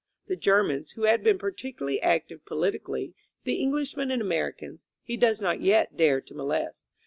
The Grermans, who had been particularly active politically, the Englishmen and Americans, he does not yet dare to molest.